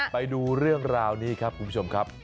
ไปดูเรื่องราวนี้ครับคุณผู้ชมครับ